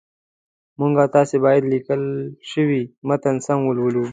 موږ او تاسي باید لیکل شوی متن سم ولولو